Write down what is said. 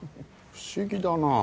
不思議だな。